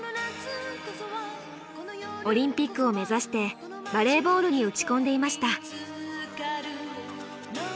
オリンピックを目指してバレーボールに打ち込んでいました。